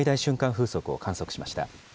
風速を観測しました。